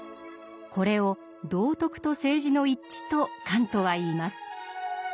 これを「道徳と政治の一致」とカントは言います。